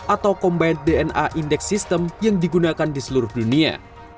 atau combine dna index system yang digunakan di seluruh dunia